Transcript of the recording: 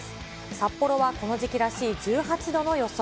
札幌はこの時期らしい１８度の予想。